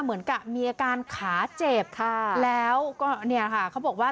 เหมือนกับมีอาการขาเจ็บค่ะแล้วมีคำบอกว่า